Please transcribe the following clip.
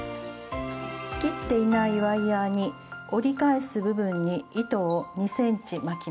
切っていないワイヤーに折り返す部分に糸を２ｃｍ巻きます。